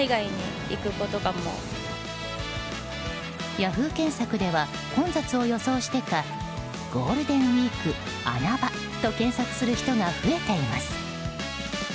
Ｙａｈｏｏ！検索では混雑を予想してかゴールデンウィーク、穴場と検索する人が増えています。